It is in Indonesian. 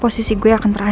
nggak ada di jakarta